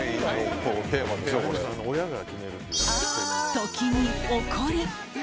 時に怒り。